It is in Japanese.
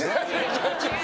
違う違う。